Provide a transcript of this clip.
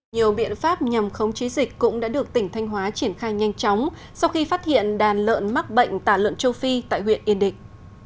nhiều biện pháp nhằm khống chí dịch cũng đã được tỉnh thanh hóa triển khai nhanh chóng sau khi phát hiện đàn lợn mắc bệnh tả lợn châu phi tại huyện yên định